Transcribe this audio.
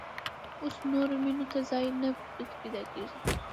اوس نورو مېنو ته ځای نه په کې پيدا کېږي.